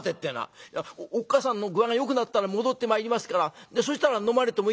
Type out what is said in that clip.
「いやおっ母さんの具合がよくなったら戻ってまいりますからそしたら飲まれてもいいんですよ。